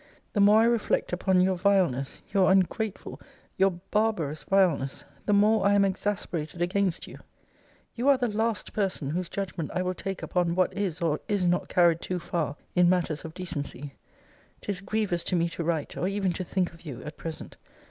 The more I reflect upon your vileness, your ungrateful, your barbarous vileness, the more I am exasperated against you. You are the last person whose judgment I will take upon what is or is not carried too far in matters of decency. 'Tis grievous to me to write, or even to think of you at present.